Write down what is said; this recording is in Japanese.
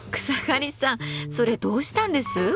草刈さんそれどうしたんです？